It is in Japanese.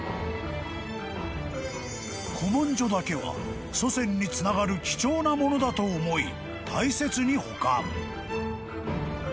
［古文書だけは祖先につながる貴重なものだと思い大切に保管］